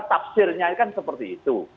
taksirnya kan seperti itu